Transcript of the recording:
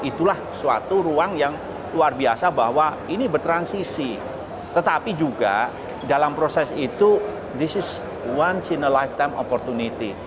itulah suatu ruang yang luar biasa bahwa ini bertransisi tetapi juga dalam proses itu this is one sina lifetime opportunity